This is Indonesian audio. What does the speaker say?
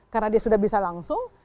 karena dia sudah bisa langsung